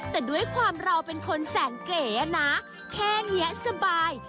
แต่ด้วยความเราเป็นคนแสนเก๋นะแค่นี้สบาย